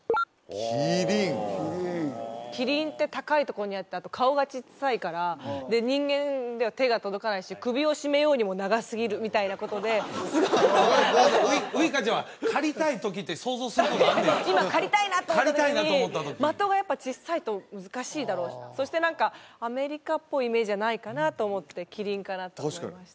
キリンキリンって高いところにあってあと顔がちっさいから人間では手が届かないしみたいなことでウイカちゃんは狩りたい時って想像することあんねや今狩りたいなと思った時に的がやっぱちっさいと難しいだろうしそして何かアメリカっぽいイメージはないかなと思ってキリンかなと思いました